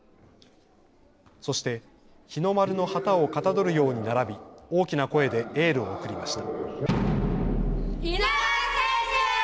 そして日の丸の旗をかたどるように並び大きな声でエールを送りました。